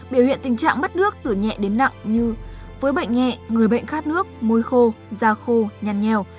biểu hiện tình trạng mất nước từ nhẹ đến nặng như với bệnh nhẹ người bệnh khát nước môi khô da khô nhăn nhèo